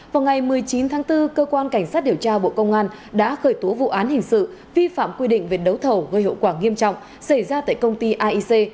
vào ngày một mươi chín tháng bốn cơ quan cảnh sát điều tra bộ công an đã khởi tố vụ án hình sự vi phạm quy định về đấu thầu gây hậu quả nghiêm trọng xảy ra tại công ty aic